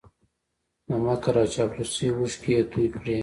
د مکر او چاپلوسۍ اوښکې یې توی کړې